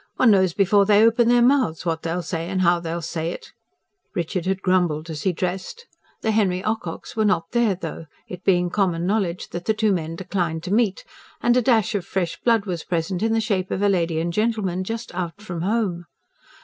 One knows before they open their mouths what they'll say and how they'll say it," Richard had grumbled as he dressed. The Henry Ococks were not there though, it being common knowledge that the two men declined to meet; and a dash of fresh blood was present in the shape of a lady and gentleman just "out from home."